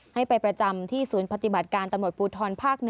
ให้ไปประจำที่ศูนย์ปฏิบัติการตำรวจภูทรภาค๑